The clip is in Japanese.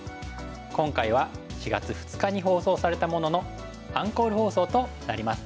今回は４月２日に放送されたもののアンコール放送となります。